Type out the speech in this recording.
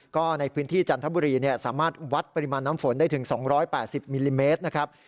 ก็ในพื้นที่จันทบุรีสามารถวัดปริมาณน้ำฝนได้ถึง๒๘๐มิลลิเมตรนะครับ